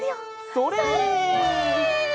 それ！